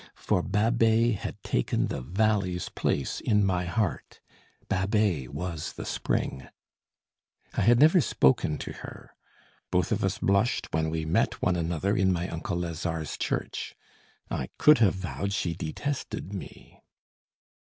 For Babet had taken the valley's place in my heart, Babet was the spring, I had never spoken to her. Both of us blushed when we met one another in my uncle Lazare's church. I could have vowed she detested me.